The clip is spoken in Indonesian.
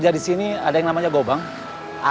jangan terlalu pendam